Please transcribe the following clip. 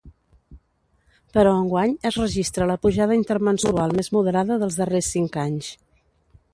Però enguany es registra la pujada intermensual més moderada dels darrers cinc anys.